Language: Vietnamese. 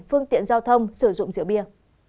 phương tiện giao thông sử dụng rượu bia